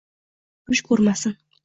Hech kim urush ko‘rmasin